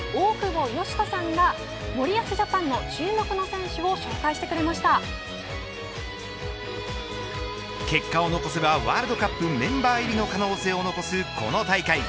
元日本代表、大久保嘉人さんが森保ジャパンの注目の選手を結果を残せばワールドカップメンバー入りの可能性を残す、この大会。